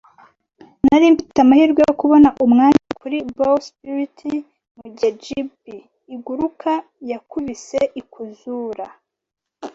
Nari mfite amahirwe yo kubona umwanya kuri bowsprit mugihe jib iguruka yakubise ikuzura